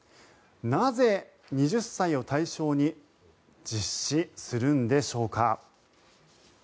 なぜ２０歳を対象に実施するんでしょうか。